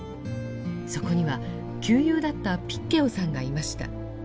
そこには級友だったピッ・ケオさんがいました。